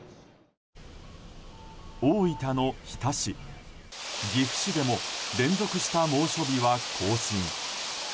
大分の日田市、岐阜市でも連続した猛暑日は更新。